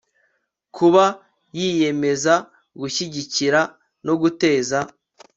kuba yiyemeza gushyigikira no guteza